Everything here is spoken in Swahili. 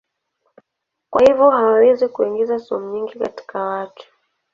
Kwa hivyo hawawezi kuingiza sumu nyingi katika watu.